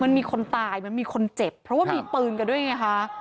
มันมีคนตายมันมีคนเจ็บเพราะว่ามีปืนกันด้วยไงคะ